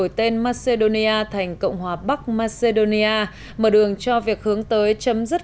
đổi tên macedonia thành cộng hòa bắc macedonia mở đường cho việc hướng tới chấm dứt